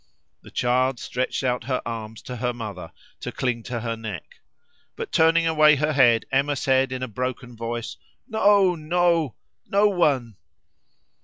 The child stretched out her arms to her mother to cling to her neck. But turning away her head, Emma said in a broken voice "No, no! no one!"